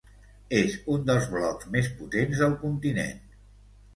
És un dels blocs més potents del continent.